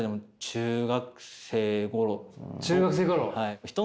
中学生頃。